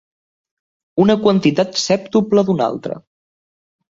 Una quantitat sèptupla d'una altra.